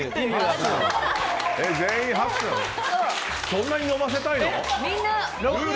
そんなに飲ませたいの？